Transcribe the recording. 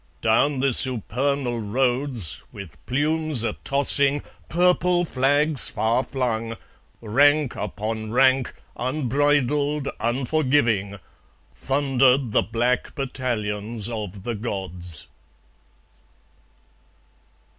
Down the supernal roads, With plumes a tossing, purple flags far flung, Rank upon rank, unbridled, unforgiving, Thundered the black battalions of the Gods.